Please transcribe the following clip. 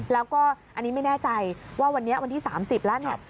แล้วก็อันนี้ไม่แน่ใจว่าวันนี้วันที่๓๐แล้วเนี่ย